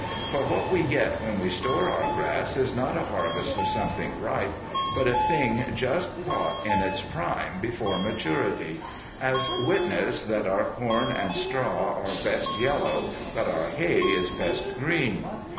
For what we get when we store our grass is not a harvest of something ripe, but a thing just caught in its prime before maturity: as witness that our corn and straw are best yellow, but our hay is best green.